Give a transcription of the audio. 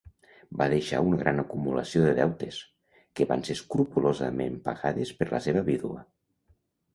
Va deixar una gran acumulació de deutes, que van ser escrupolosament pagades per la seva vídua.